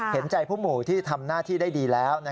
เห็นใจผู้หมู่ที่ทำหน้าที่ได้ดีแล้ว